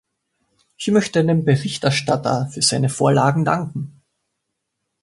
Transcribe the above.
Ich möchte dem Berichterstatter für seine Vorlagen danken.